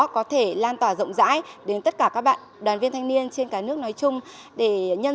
có thể lan tỏa rộng rãi đến tất cả các bạn